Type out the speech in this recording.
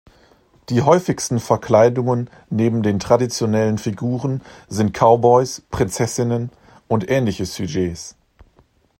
Die häufigsten Verkleidungen neben den traditionellen Figuren sind Cowboys, Prinzessinnen und ähnliche Sujets.